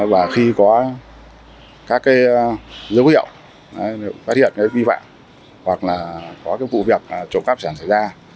và khi có các dấu hiệu phát hiện nghi vạn hoặc là có vụ việc trộm cắp sản xảy ra